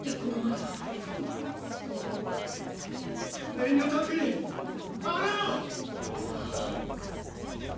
燃料タンクに穴が！！